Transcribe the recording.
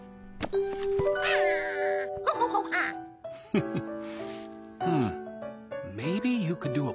フフフッ。